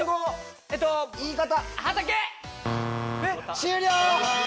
終了！